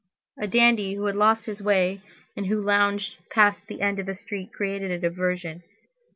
A dandy who had lost his way and who lounged past the end of the street created a diversion!